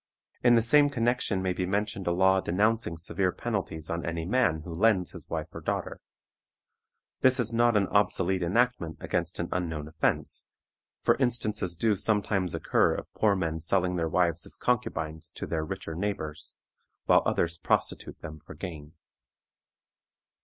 In the same connection may be mentioned a law denouncing severe penalties on any man who lends his wife or daughter. This is not an obsolete enactment against an unknown offense, for instances do sometimes occur of poor men selling their wives as concubines to their richer neighbors, while others prostitute them for gain.